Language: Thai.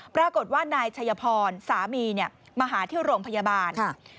ปรากฏว่านายชัยพรสามีมาหาที่โรงพยาบาล